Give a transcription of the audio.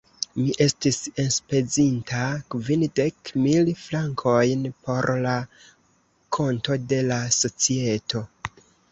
Mi estis enspezinta kvindek mil frankojn por la konto de la societo.